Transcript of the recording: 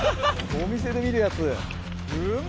お店で見るやつ。